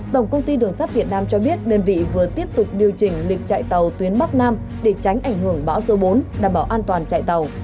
tổng công ty đường sắt việt nam cho biết đơn vị vừa tiếp tục điều chỉnh lịch chạy tàu tuyến bắc nam để tránh ảnh hưởng bão số bốn đảm bảo an toàn chạy tàu